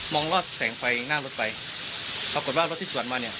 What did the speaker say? งรอดแสงไฟหน้ารถไปปรากฏว่ารถที่สวนมาเนี่ย